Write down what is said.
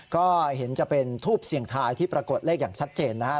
ก็เห็นจะเป็นทูบเสี่ยงทายที่ปรากฏเลขอย่างชัดเจนนะครับ